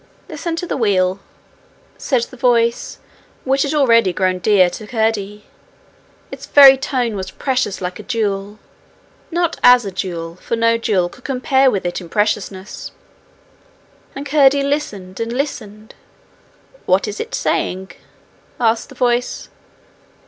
'Listen to the wheel,' said the voice which had already grown dear to Curdie: its very tone was precious like a jewel, not as a jewel, for no jewel could compare with it in preciousness. And Curdie listened and listened. 'What is it saying?' asked the voice.